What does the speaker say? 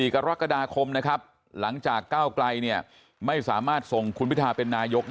๑๔กรกฎาคมนะครับหลังจากก้าวไก่เนี่ยไม่สามารถส่งคุณพิธาเป็นนายกได้นะครับ